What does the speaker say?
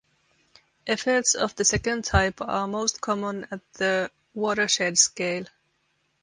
Efforts of the second type are most common at the watershed scale.